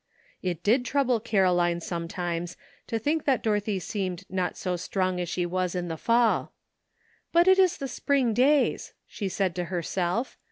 It did trouble Caroline sometimes to think that Dorothy seemed not so strong as she was in the fall. "But it is the spring days," she said to herself.